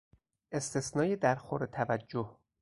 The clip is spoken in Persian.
استثنای درخور توجه